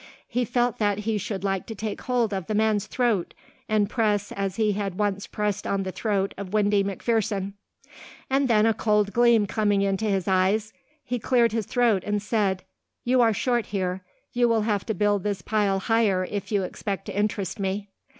He felt that he should like to take hold of the man's throat and press as he had once pressed on the throat of Windy McPherson. And then a cold gleam coming into his eyes he cleared his throat and said, "You are short here; you will have to build this pile higher if you expect to interest me."